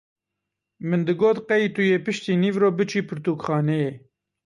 Min digot qey tu yê piştî nîvro biçî pirtûkxaneyê.